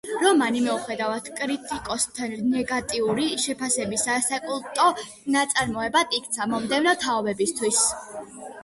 რომანი, მიუხედავად კრიტიკოსთა ნეგატიური შეფასებებისა, საკულტო ნაწარმოებად იქცა მომდევნო თაობებისთვის.